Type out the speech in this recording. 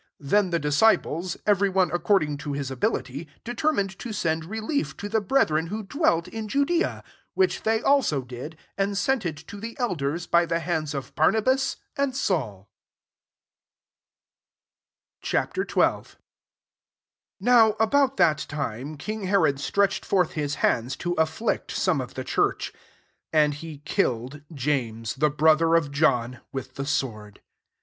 29 Then the m ACTS XII. disciples, every one according to his ability, determined to send relief to the brethren who dwelt in Judea: 30 which they aUo did ; and sent it to the el ders by the hands of Barnabas and Saul* Ch. XII. 1 NOW about that time, king Herod stretched forth fiU hands to afflict some of the church. 2 And he killed James, the brother of John, with the sword.